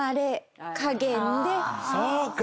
そうか。